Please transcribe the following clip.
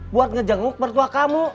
buat ngejenguk mertua kamu